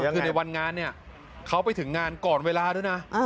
คือในวันงานเนี่ยเขาไปถึงงานก่อนเวลาด้วยนะ